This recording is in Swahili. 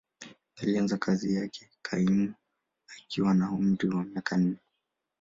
Alianza kazi ya kaimu akiwa na umri wa miaka nane.